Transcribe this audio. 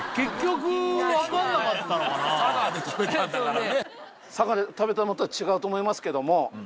佐賀で食べたんだからね。